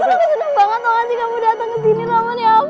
aku seneng seneng banget tau gak sih kamu dateng kesini roman ya ampun